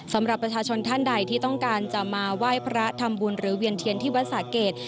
สำหรับประชาชนท่านใดที่ต้องการจะมาไหว้พระทำบุญหรือเวียนเทียนที่วัดสะเกด